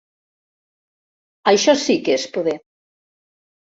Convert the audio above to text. Això sí que és poder!